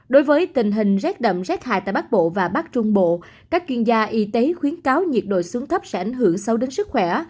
đối với tình hình rét đậm rét hại tại bắc bộ và bắc trung bộ các chuyên gia y tế khuyến cáo nhiệt độ xuống thấp sẽ ảnh hưởng sâu đến sức khỏe